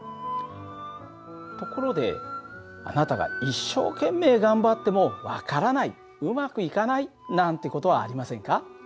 ところであなたが一生懸命頑張っても分からないうまくいかないなんて事はありませんか？